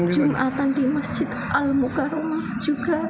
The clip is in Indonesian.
jum'atan di masjid al mukarramah juga